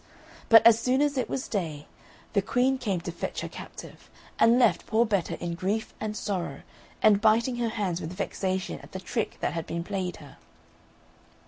But as soon as it was day the Queen came to fetch her captive, and left poor Betta in grief and sorrow, and biting her hands with vexation at the trick that had been played her.